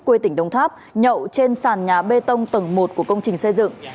quê tỉnh đồng tháp nhậu trên sàn nhà bê tông tầng một của công trình xây dựng